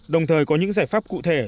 đồng thời có những giải pháp cụ thể